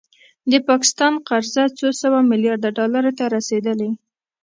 د پاکستان قرضه څو سوه میلیارده ډالرو ته رسیدلې